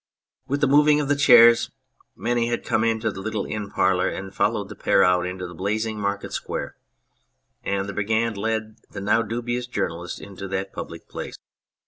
" With the moving of the chairs many had come into the little inn parlour and followed the pair out into the blazing market square, and the brigand led the now dubious journalist into that public place.